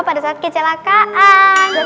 pada saat kecelakaan